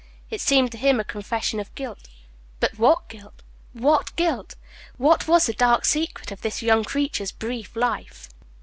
It seemed to him a confession of guilt. But what guilt? what guilt? What was the dark secret of this young creature's brief life?